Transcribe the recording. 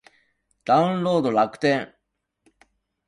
ダウンロード楽天